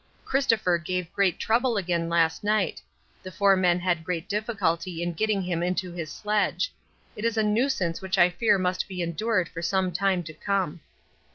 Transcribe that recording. Christopher gave great trouble again last night the four men had great difficulty in getting him into his sledge; this is a nuisance which I fear must be endured for some time to come.